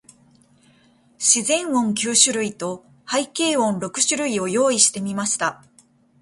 自然音九種類と、背景音六種類を用意してみました。